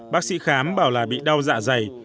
bác sĩ khám bảo là bị đau dạ dày